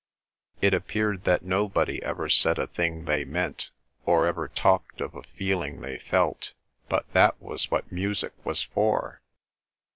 It appeared that nobody ever said a thing they meant, or ever talked of a feeling they felt, but that was what music was for.